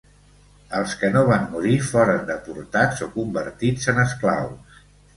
Els que no van morir foren deportats o convertits en esclaus.